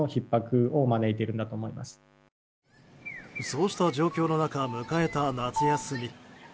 そうした状況の中迎えた夏休み。